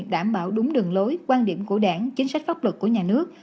đảm bảo đúng đường lối quan điểm của đảng chính sách pháp luật của nhà nước